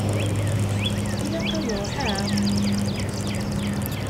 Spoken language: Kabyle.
Ilaq ad ṛuḥeɣ?